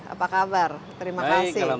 apa kabar terima kasih